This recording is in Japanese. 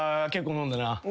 飲んだな。